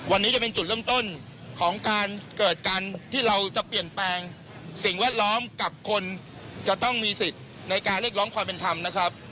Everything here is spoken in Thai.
วันนี้จะเป็นจุดเริ่มต้นของการเกิดการที่เราจะเปลี่ยนแปลงสิ่งแวดล้อมกับคนจะต้องมีสิทธิ์ในการเรียกร้องความเป็นธรรมนะครับ